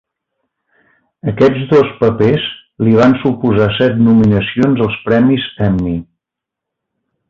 Aquests dos papers li van suposar set nominacions als premis Emmy.